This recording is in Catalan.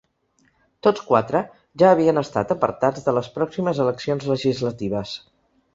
Tots quatre ja havien estat apartats de les pròximes eleccions legislatives.